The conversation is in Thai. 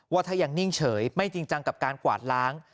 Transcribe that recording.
ว่าถ้ายังนิ่งเฉยไม่จริงจังกับการกวาดล้าง